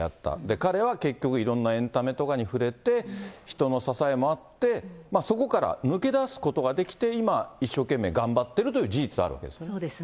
彼は結局いろんなエンタメとかに触れて、人の支えもあって、そこから抜け出すことができて、今、一生懸命頑張ってるという事実はあるわけですね。